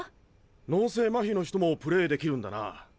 脳性マヒの人もプレーできるんだな。